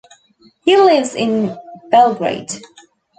He lives in Belgrade.